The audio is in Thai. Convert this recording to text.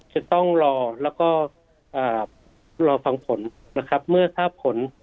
จะต้องรอแล้วก็รอฟังผลนะครับเมื่อทราบผล